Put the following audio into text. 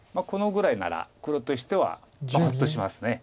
このぐらいなら黒としてはほっとします。